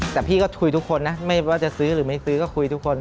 แต่พี่ก็คุยทุกคนนะไม่ว่าจะซื้อหรือไม่ซื้อก็คุยทุกคน